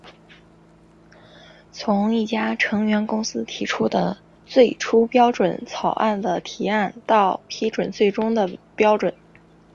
从一家成员公司提出最初的标准草案的提案到批准最终的标准。